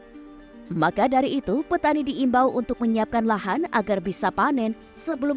maka dari itu petani diimbau untuk menyiapkan lahan agar bisa panen sebelum